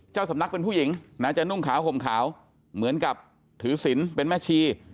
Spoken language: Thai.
เจ้าสำนักเป็นผู้หญิงนะจะนุ่งขาวห่มขาวเหมือนกับถือศิลป์เป็นแม่ชี